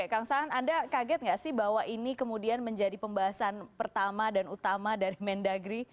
kang saan anda kaget nggak sih bahwa ini kemudian menjadi pembahasan pertama dan utama dari mendagri